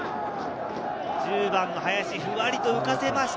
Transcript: １０番の林、ふわりと浮かせました。